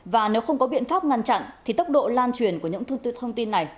và nếu không có biện pháp ngăn chặn thì tốc độ lan truyền của những thông tin này